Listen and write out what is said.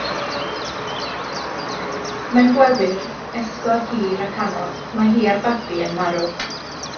Mewn gwewyr esgor hir ac anodd, mae hi a'r babi yn marw.